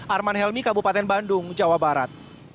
arman helmi kabupaten bandung jawa barat